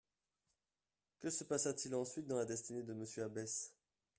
Que se passa-t-il ensuite dans la destinée de M Abbesse